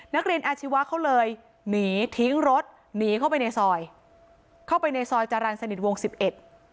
นักเรียนอาชีวะเขาเลยหนีทิ้งรถหนีเข้าไปในซอยเข้าไปในซอยจรรย์สนิทวงสิบเอ็ด